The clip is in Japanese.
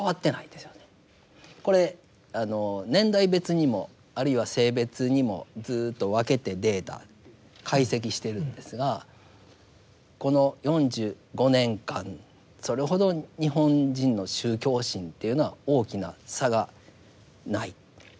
これ年代別にもあるいは性別にもずっと分けてデータ解析しているんですがこの４５年間それほど日本人の宗教心というのは大きな差がない。